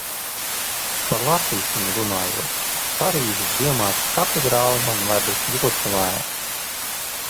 Par lasīšanu runājot, "Parīzes Dievmātes katedrāle" man vedas ļoti lēni.